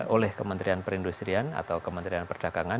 oleh kementerian perindustrian atau kementerian perdagangan